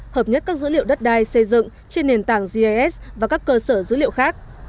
hợp nhất các dữ liệu đất đai xây dựng trên nền tảng gis và các cơ sở dữ liệu khác